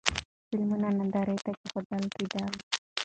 فلمونه نندارې ته کېښودل کېدل.